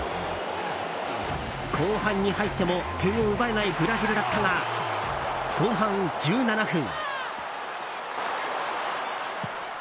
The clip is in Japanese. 後半に入っても点を奪えないブラジルだったが、後半１７分。